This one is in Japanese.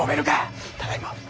ただいま。